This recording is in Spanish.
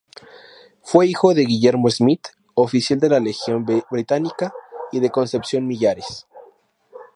Fue hijo de Guillermo Smith, oficial de la Legión Británica, y de Concepción Millares.